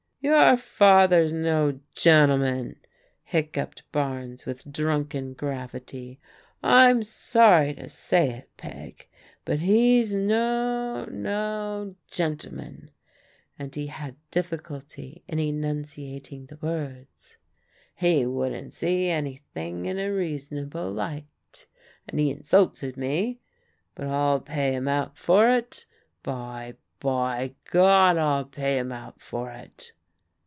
" "Your father's no gentleman," hiccuped Barnes with drunken gravity. " I'm sorry to say it, Peg, but he's no — ^no — ^gentleman," and he had difficulty in enunciating the words. " He wouldn't see anything in a reasonable light, and he insulted me. But I'll pay him out for it I By — ^by God, I'll pay him out for it